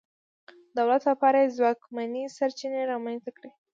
دولت لپاره یې ځواکمنې سرچینې رامنځته کړې.